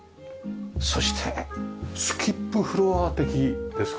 そしてスキップフロア的ですか？